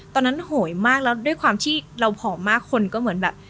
โหยมากแล้วด้วยความที่เราผอมมากคนก็เหมือนแบบ